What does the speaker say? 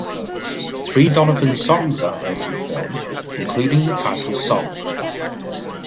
Three Donovan songs are heard in the film, including the title song.